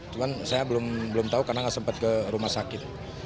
cuman saya belum tahu karena nggak sempat ke rumah sakit